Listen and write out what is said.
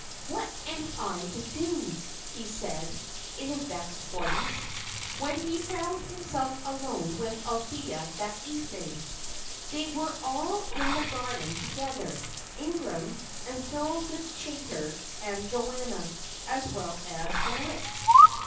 "What am I to do?" he said, in a vexed voice, when he found himself alone with Althea that evening. They were all in the garden together Ingram, and Thorold Chaytor, and Joanna, as well as Moritz.